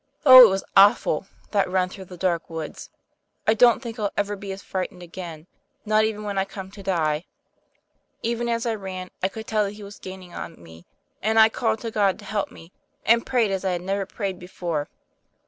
Oh, it was awful that run through the dark woods! I don't think I'll ever be as frightened again, not even when I come to die. Even as I ran, I could tell that he was gaining on me; and I called to God to help me, and prayed as I had never prayed before.